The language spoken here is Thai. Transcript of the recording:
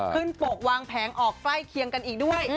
ปกวางแผงออกใกล้เคียงกันอีกด้วย